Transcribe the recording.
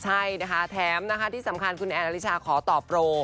ใช่นะคะแถมนะคะที่สำคัญคุณแอนอลิชาขอตอบโปร